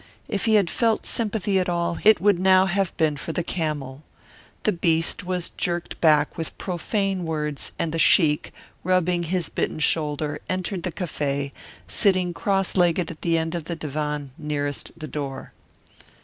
If he had felt sympathy at all, it would now have been for the camel. The beast was jerked back with profane words and the sheik, rubbing his bitten shoulder, entered the cafe, sitting cross legged at the end of the divan nearest the door.